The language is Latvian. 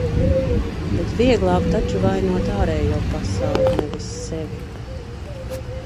Bet vieglāk taču vainot ārējo pasauli, nevis sevi.